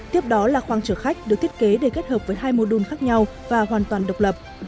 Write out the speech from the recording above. tiếp đó là khoang chở khách được thiết kế để kết hợp với hai mô đun khác nhau và hoàn toàn độc lập